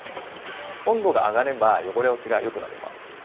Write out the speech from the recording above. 温度が上がれば汚れ落ちがよくなります。